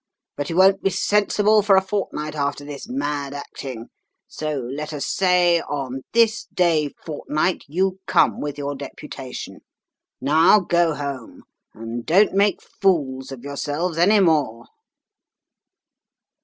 But you won't be sensible for a fortnight after this mad acting; so let us say on this day fortnight you come with your deputation. Now go home, and don't make fools of yourselves any more.'